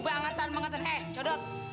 bangetan bangetan eh codot